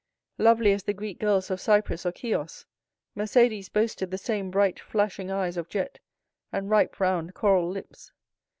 Lovely as the Greek girls of Cyprus or Chios, Mercédès boasted the same bright flashing eyes of jet, and ripe, round, coral lips.